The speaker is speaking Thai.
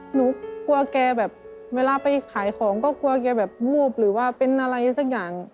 หนูกลัวแกแบบเวลาไปขายของก็กลัวแกแบบวูบหรือว่าเป็นอะไรสักอย่าง